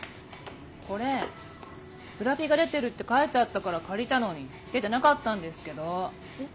これブラピが出てるって書いてあったから借りたのに出てなかったんですけど。